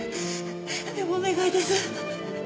でもお願いです。